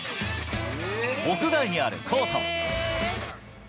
屋外にあるコート。